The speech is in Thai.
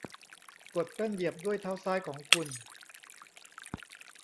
กดแป้นเหยียบด้วยเท้าซ้ายของคุณ